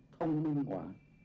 thông minh quá